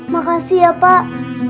makasih ya pak